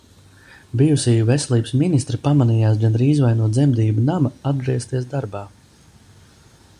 Bijusī veselības ministre pamanījās gandrīz vai no dzemdību nama atgriezties darbā.